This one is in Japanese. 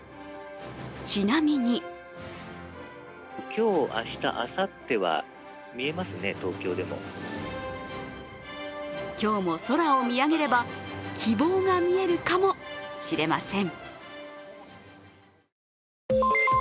ちなみに今日も空を見上げればきぼうが見えるかもしれません。